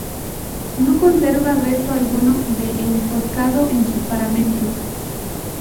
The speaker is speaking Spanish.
No conserva resto alguno de enfoscado en sus paramentos.